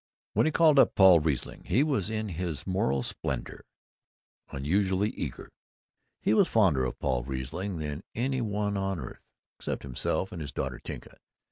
When he called up Paul Riesling he was, in his moral splendor, unusually eager. He was fonder of Paul Riesling than of any one on earth except himself and his daughter Tinka.